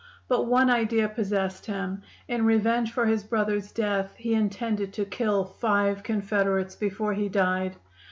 But one idea possessed him; in revenge for his brothers' death he intended to kill five Confederates before he died.